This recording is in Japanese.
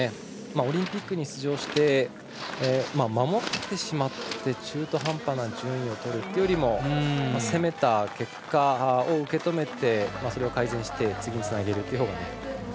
オリンピックに出場して守ってしまって中途半端な順位をとるよりも攻めた結果を受け止めてそれを改善して次につなげるという。